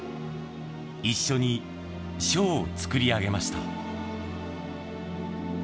一緒にショーを作り上げました。